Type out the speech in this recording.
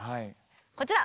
こちら！